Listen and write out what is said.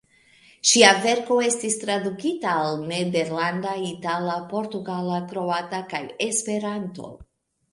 Ŝia verko estis tradukita al nederlanda, itala, portugala, kroata kaj Esperanto.